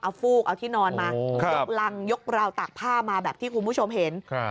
เอาฟูกเอาที่นอนมายกรังยกราวตากผ้ามาแบบที่คุณผู้ชมเห็น